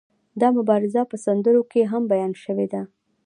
دا مبارزه په سندرو کې هم بیان شوې ده.